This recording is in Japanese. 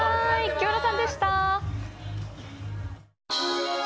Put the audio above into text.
木村さんでした。